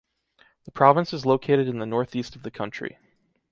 The province is located in the northeast of the country.